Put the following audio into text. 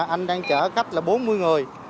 anh đang chở khách là bốn mươi người